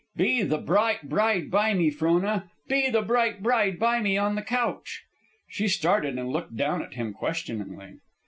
"Be the bright bride by me, Frona! Be the bright bride by me on the couch!" She started and looked down at him, questioningly.